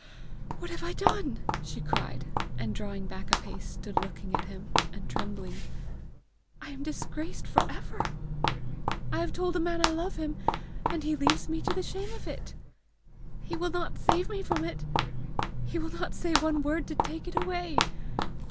"What have I done!" she cried, and drawing back a pace, stood looking at him, and trembling. "I am disgraced for ever! I have told a man I love him, and he leaves me to the shame of it! He will not save me from it! he will not say one word to take it away!